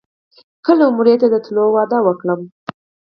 کله عمرې ته د تللو وعده وکړم.